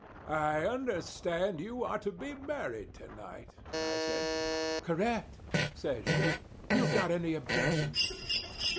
"I understand you are to be married to night," I said. "Correct," says she. "You got any objections?"